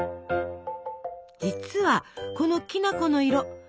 実はこのきな粉の色。